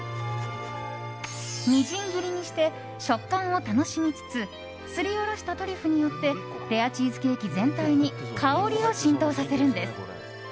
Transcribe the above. みじん切りにして食感を楽しみつつすりおろしたトリュフによってレアチーズケーキ全体に香りを浸透させるんです。